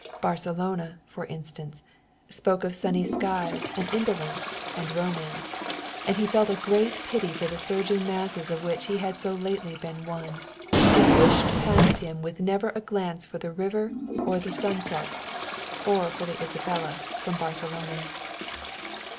Barcelona, for instance, spoke of sunny skies and indolence and romance, and he felt a great pity for the surging masses of which he had so lately been one, who pushed past him with never a glance for the river or the sunset, or for the Isabella from Barcelona.